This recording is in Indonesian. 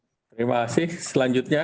baik terima kasih pak menko perekonomiannya